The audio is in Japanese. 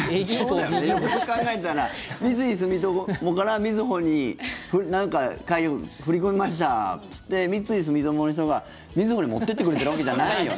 よくよく考えたら三井住友から、みずほになんか振り込みましたっていって三井住友の人が、みずほに持ってってくれてるわけじゃないよね。